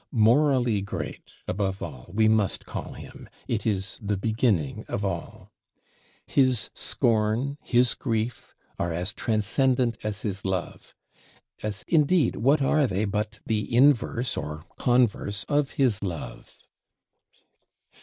Morally great, above all, we must call him; it is the beginning of all. His scorn, his grief are as transcendent as his love; as indeed, what are they but the inverse or converse of his love?